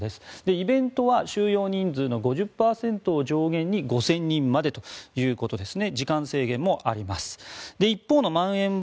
イベントは収容人数の５０％を上限に５０００人までということですね。